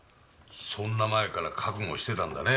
そんな前から覚悟してたんだね